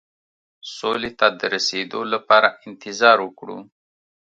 سولې ته د رسېدو لپاره انتظار وکړو.